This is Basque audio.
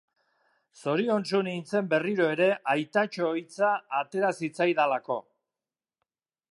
Zoriontsu nintzen berriro ere aitatxo hitza atera zitzaidalako.